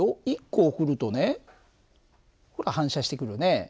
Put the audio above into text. １個送るとねほら反射してくるね。